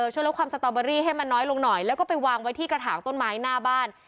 ช่วยลดความสตอเบอรี่ให้มันน้อยลงหน่อยแล้วก็ไปวางไว้ที่กระถางต้นไม้หน้าบ้าน